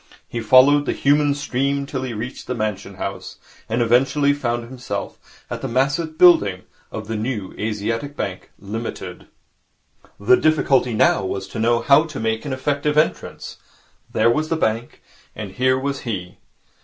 He followed the human stream till he reached the Mansion House, and eventually found himself at the massive building of the New Asiatic Bank, Limited. The difficulty now was to know how to make an effective entrance. There was the bank, and here was he.